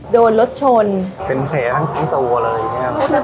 โดนรถชนเป็นแผลทั้งทั้งตัวอะไรอย่างเงี้ยคือ